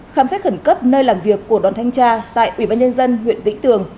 khám sát khẩn cấp nơi làm việc của đón thanh tra tại ubnd huyện vĩnh tường